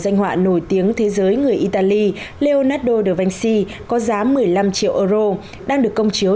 danh họa nổi tiếng thế giới người italy leonardo da vinci có giá một mươi năm triệu euro đang được công chiếu